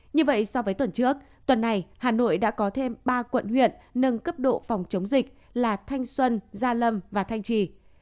như vậy so với tuần trước tuần này hà nội đã có thêm ba quận huyện nâng cấp độ phòng chống dịch là thanh xuân gia lâm và thanh trì